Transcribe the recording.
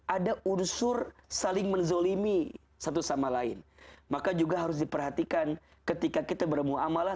ada unsur saling menzalimi satu sama lain maka juga harus diperhatikan ketika kita bermu'amalah